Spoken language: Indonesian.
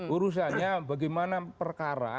urusannya bagaimana perkara